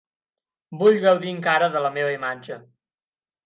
Vull gaudir encara de la meva imatge.